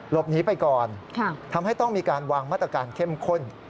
หลบหนีไปก่อนทำให้ต้องมีการวางมาตรการเข้มข้น